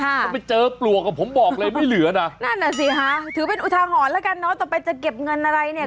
ถ้าไปเจอปลวกอ่ะผมบอกเลยไม่เหลือนะนั่นน่ะสิคะถือเป็นอุทาหรณ์แล้วกันเนอะต่อไปจะเก็บเงินอะไรเนี่ย